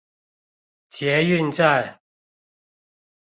捷運站